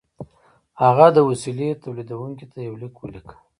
هغه د وسیلې تولیدوونکي ته یو لیک ولیکه